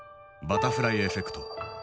「バタフライエフェクト」。